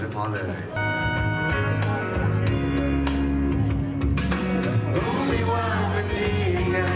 อีกเพลงหนึ่งครับนี้ให้สนสารเฉพาะเลย